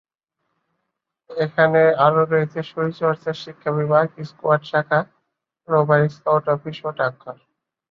এখানে আরও রয়েছে শরীরচর্চা শিক্ষা বিভাগ, স্টুয়ার্ড শাখা, রোভার স্কাউট অফিস ও ডাকঘর।